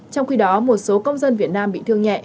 trong khi đó một số công dân việt nam bị thương nhẹ